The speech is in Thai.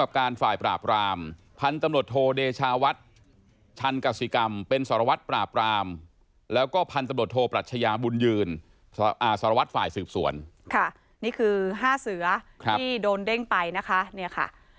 ค่ะนี่คือ๕เสือที่โดนเด้งไปนะครับ